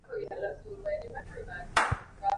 তিনি হয়তো অনুশীলনের অভাবে দলের বাইরে থাকবেন।